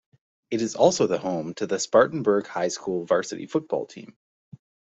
It is also the home to the Spartanburg High School varsity football team.